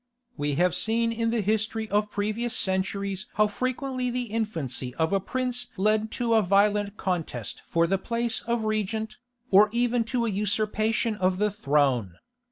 We have seen in the history of previous centuries how frequently the infancy of a prince led to a violent contest for the place of regent, or even to a usurpation of the throne.